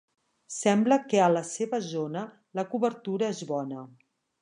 Sembla que a la seva zona la cobertura és bona.